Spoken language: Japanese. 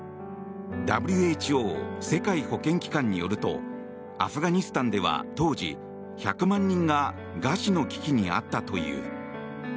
ＷＨＯ・世界保健機関によるとアフガニスタンでは当時、１００万人が餓死の危機にあったという。